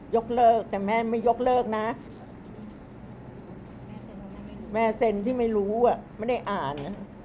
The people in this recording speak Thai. ยกเลิกแต่แม่ไม่ยกเลิกนะแม่เซ็นที่ไม่รู้อ่ะไม่ได้อ่าน